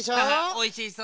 おいしそう。